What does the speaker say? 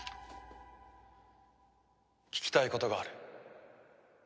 聞きたいことがある。